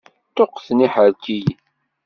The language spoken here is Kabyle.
Ṭuqqten iḥerkiyen.